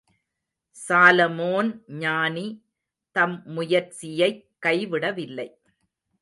Solomon ஞானி தம் முயற்சியைக் கை விடவில்லை.